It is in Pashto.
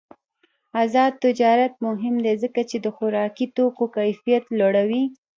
آزاد تجارت مهم دی ځکه چې د خوراکي توکو کیفیت لوړوي.